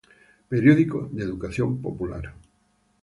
Periódico de Educación Popular.